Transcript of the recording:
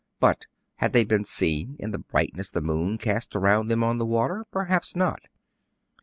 But had they been seen in the brightness the moon cast around them on the water.? Perhaps not.